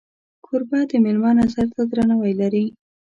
کوربه د میلمه نظر ته درناوی لري.